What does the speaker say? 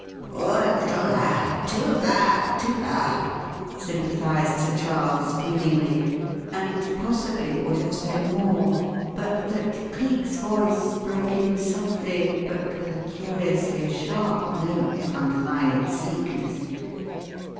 "Poor little lad! Too bad, too bad!" sympathized Sir Charles, feelingly, and, possibly, would have said more but that Cleek's voice broke in softly, but with a curiously sharp note underlying its sleekness.